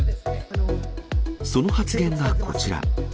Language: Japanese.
その発言がこちら。